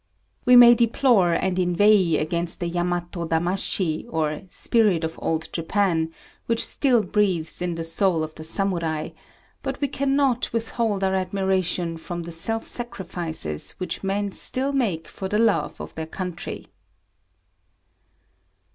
We may deplore and inveigh against the Yamato Damashi, or Spirit of Old Japan, which still breathes in the soul of the Samurai, but we cannot withhold our admiration from the self sacrifices which men will still make for the love of their country.